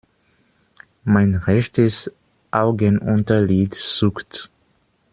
Mein rechtes Augenunterlid zuckt.